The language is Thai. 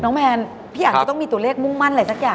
แมนพี่อาจจะต้องมีตัวเลขมุ่งมั่นอะไรสักอย่าง